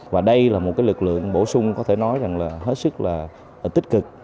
và đây là một lực lượng bổ sung có thể nói là hết sức tích cực